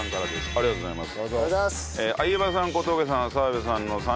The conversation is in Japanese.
ありがとうございます。